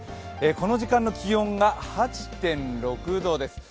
この時間の気温が８．６度です。